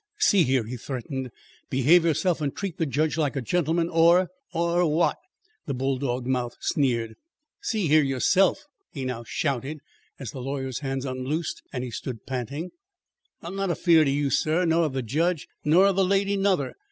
"See here!" he threatened. "Behave yourself and treat the judge like a gentleman or " "Or what?" the bulldog mouth sneered. "See here yourself," he now shouted, as the lawyer's hands unloosed and he stood panting; "I'm not afeard o' you, sir, nor of the jedge, nor of the lady nuther.